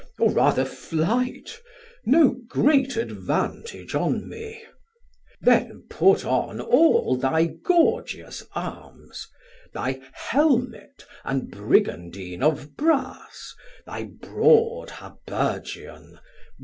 Or rather flight, no great advantage on me; Then put on all thy gorgeous arms, thy Helmet And Brigandine of brass, thy broad Habergeon.